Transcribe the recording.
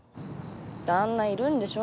旦那いるんでしょ？